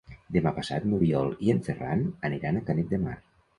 Demà passat n'Oriol i en Ferran aniran a Canet de Mar.